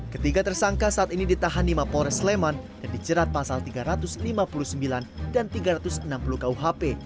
ketiga tersangka saat ini ditahan di mapores leman dan dijerat pasal tiga ratus lima puluh sembilan dan tiga ratus enam puluh kuhp